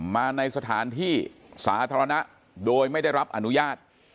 มาในสถานที่สาธารณะโดยไม่ได้รับอนุญาต